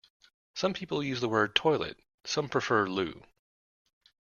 Some people use the word toilet, some prefer loo